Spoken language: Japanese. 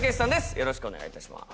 よろしくお願いします。